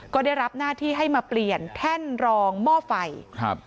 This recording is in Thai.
ก็ได้รับหน้าที่ให้มาเปลี่ยนแท่นรองหม้อไฟครับ